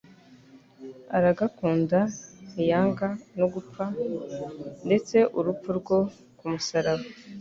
araganduka ntiyanga no gupfa ndetse urupfu rwo ku musaraba.' »